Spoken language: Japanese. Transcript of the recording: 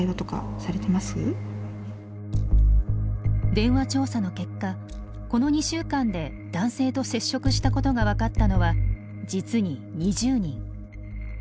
電話調査の結果この２週間で男性と接触したことが分かったのは実に２０人。